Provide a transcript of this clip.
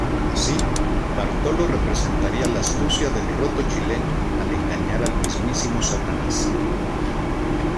Así, Bartolo representaría la "astucia del roto chileno", al engañar al mismísimo Satanás.